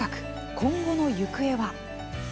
今後の行方は。